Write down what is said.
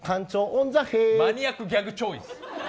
マニアックギャグチョイス！